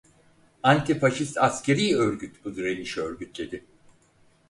Anti-Faşist Askeri Örgüt bu direnişi örgütledi.